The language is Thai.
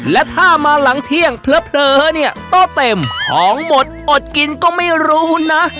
และถ้ามาหลังเที่ยงเผลอเนี่ยโต๊ะเต็มของหมดอดกินก็ไม่รู้นะ